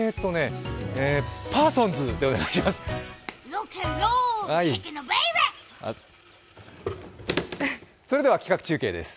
パーソンズでお願いします。